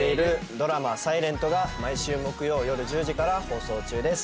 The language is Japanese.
ドラマ「ｓｉｌｅｎｔ」が毎週木曜夜１０時から放送中です。